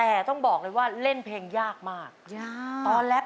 นี่คุณสุดคุณมีแรงได้แล้ว